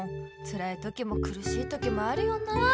つらい時もくるしい時もあるよなあ